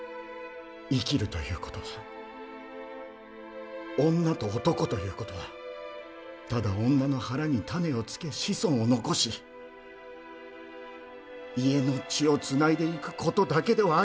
生きるということは女と男ということはただ女の腹に種をつけ子孫を残し家の血をつないでいくことだけではありますまい！